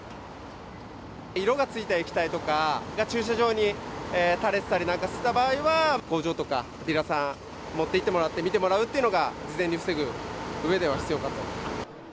色がついた液体とかが、駐車場にたれてたりした場合は、工場とかディーラーさんに持っていって見てもらうっていうのが、事前に防ぐうえでは必要かと。